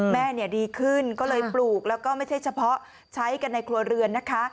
แม่ดีขึ้นก็เลยปลูกแล้วก็ไม่ใช่เฉพาะใช้กันในครัวเรือนนะคะ